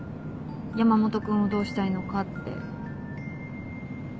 山本君をどうしたいのかって。